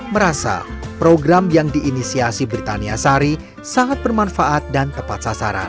merasa program yang diinisiasi britania sari sangat bermanfaat dan tepat sasaran